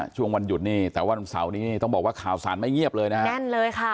ช่วงวันหยุดนี่แต่วันเสาร์นี้นี่ต้องบอกว่าข่าวสารไม่เงียบเลยนะฮะแน่นเลยค่ะ